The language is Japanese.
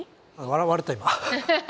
笑われた今。